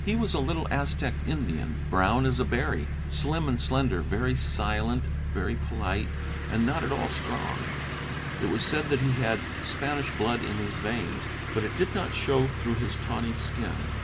He was a little Aztec Indian, brown as a berry, slim and slender, very silent, very polite and not at all strong. It was said that he had Spanish blood in his veins, but it did not show through his tawny skin.